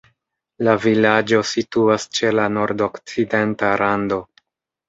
La vilaĝo situas ĉe la nordokcidenta rando.